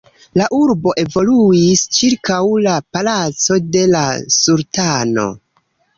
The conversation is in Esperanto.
La urbo evoluis ĉirkaŭ la palaco de la sultano.